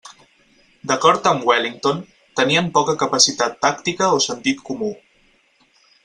D'acord amb Wellington, tenien poca capacitat tàctica o sentit comú.